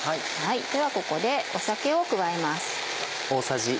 ではここで酒を加えます。